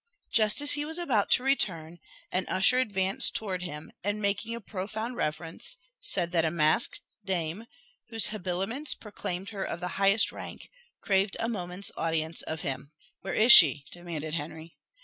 Just as he was about to return, an usher advanced towards him, and making a profound reverence, said that a masked dame, whose habiliments proclaimed her of the highest rank, craved a moment's audience of him. "Where is she?" demanded Henry.